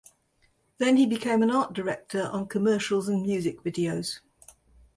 Then he became an art director on commercials and music videos.